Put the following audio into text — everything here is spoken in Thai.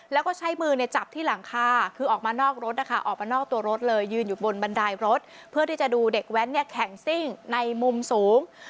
แล้วก็ใช้มือจับที่หลังคาคือออกมานอกรถนะคะออกมานอกตัวรถเลยยืนอยู่บนบันไดรถเพื่อที่จะดูเด็กแว้นเนี่ยแข่งซิ่งในมุมสูง